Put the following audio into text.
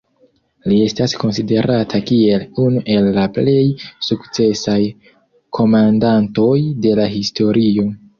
Li estas konsiderata kiel unu el la plej sukcesaj komandantoj de la historio.